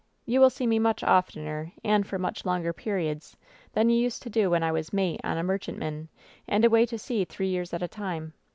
You will see me much oftener, and for much longer periods, than you used to do when I was mate on a merchantman and away to sea three years at a time.